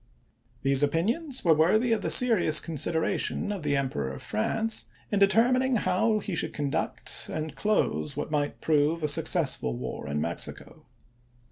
These opinions were worthy of the serious consideration of the Emperor of France in determining how he should conduct and close what might prove a suc cessful war in Mexico.